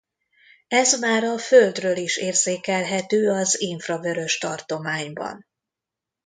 Ez már a Földről is érzékelhető az infravörös tartományban.